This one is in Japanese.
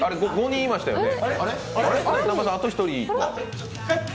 ５人いましたよね。